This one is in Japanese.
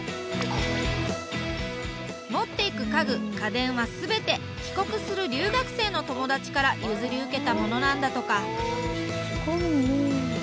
持っていく家具家電は全て帰国する留学生の友達から譲り受けたものなんだとか。